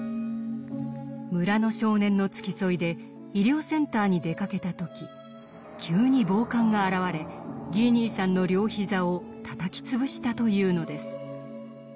村の少年の付き添いで医療センターに出かけた時急に暴漢が現れギー兄さんの両膝をたたき潰したというのです。